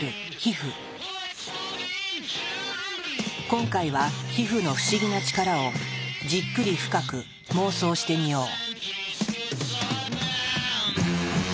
今回は皮膚の不思議な力をじっくり深く妄想してみよう。